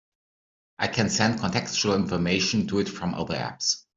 I can send contextual information to it from other apps.